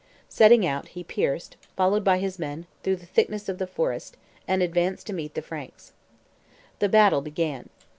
Setting out he pierced, followed by his men, through the thickness of the forest, and advanced to meet the Franks. The battle began.